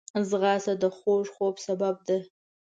ځغاسته د خوږ خوب سبب ده